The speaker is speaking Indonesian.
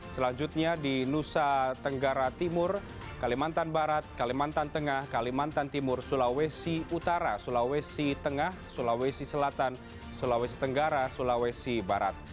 selanjutnya di nusa tenggara timur kalimantan barat kalimantan tengah kalimantan timur sulawesi utara sulawesi tengah sulawesi selatan sulawesi tenggara sulawesi barat